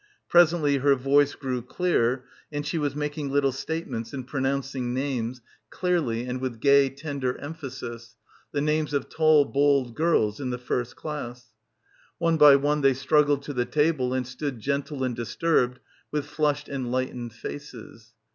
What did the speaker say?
Presently her voice grew clear and she was making little statements and pronouncing names, clearly and with gay tender emphasis, the names of tall — 291 — PILGRIMAGE bold girls in the first class. One by one they struggled to the table and stood gentle and dis turbed with flushed enlightened faces.